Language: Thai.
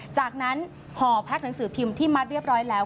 จากนั้นห่อแพ็คหนังสือพิมพ์ที่มัดเรียบร้อยแล้ว